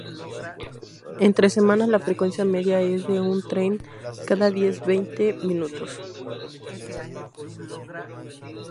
Entre semana la frecuencia media es de un tren cada diez-veinte minutos.